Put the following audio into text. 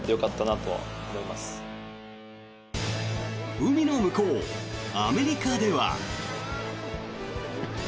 海の向こう、アメリカでは。